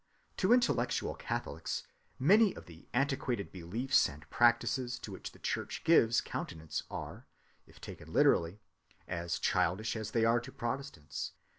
To intellectual Catholics many of the antiquated beliefs and practices to which the Church gives countenance are, if taken literally, as childish as they are to Protestants.